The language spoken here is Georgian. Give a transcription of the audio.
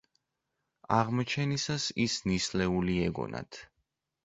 აღმოჩენისას ის ნისლეული ეგონათ.